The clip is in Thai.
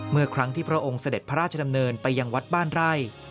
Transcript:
เมื่อครั้งที่พระองค์เสด็จพระราชดำเนินไปยังวัดบ้านไร่